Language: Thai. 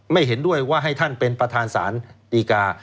เห็นด้วยว่าให้ท่านเป็นประธานศาลดีกา